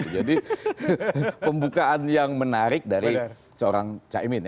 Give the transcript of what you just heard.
jadi pembukaan yang menarik dari seorang caimin